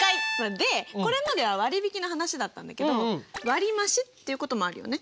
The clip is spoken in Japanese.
でこれまでは割引の話だったんだけど割増っていうこともあるよね？